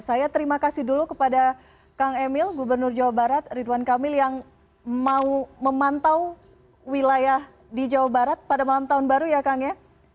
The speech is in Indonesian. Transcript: saya terima kasih dulu kepada kang emil gubernur jawa barat ridwan kamil yang mau memantau wilayah di jawa barat pada malam tahun baru ya kang ya